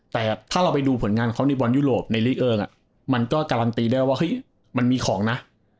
แต่ถ้าเราไปดูผลงานเขาในบอลยุโรปในลีกเอิงมันก็การันตีได้ว่าเฮ้ยมันมีของนะ